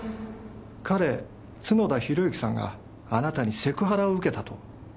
彼角田博之さんがあなたにセクハラを受けたと訴えられました。